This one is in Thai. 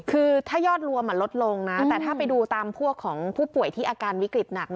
คือถ้ายอดรวมลดลงนะแต่ถ้าไปดูตามพวกของผู้ป่วยที่อาการวิกฤตหนัก